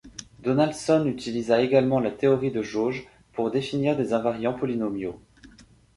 Donaldson utilisa également la théorie de jauge pour définir des invariants polynomiaux.